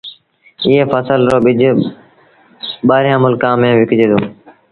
ايئي ڦسل رو ٻج ٻآهريآݩ ملڪآݩ ميݩ وڪجي دو۔